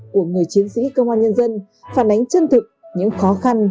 của người chiến sĩ công an nhân dân phản ánh chân thực những khó khăn